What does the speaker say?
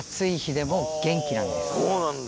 そうなんだ。